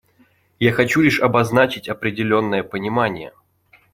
Я хочу лишь обозначить определенное понимание.